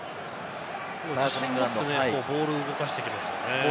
自信を持ってボールを動かしていきますよね。